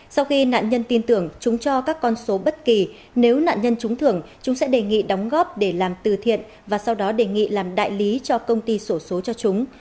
sau khi nạn nhân tin tưởng chúng cho các con số bất kỳ nếu nạn nhân trúng thưởng chúng sẽ đề nghị đóng góp để làm từ thiện và sau đó đề nghị làm đại lý cho công ty sổ số cho chúng